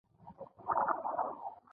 په انګلستان په پارلمان کې یوه خبره طرح شوه.